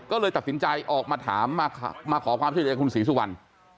ก็เลยตัดสินใจออกมาถามมาขอความช่วยเหลือจากคุณศรีสุวรรณ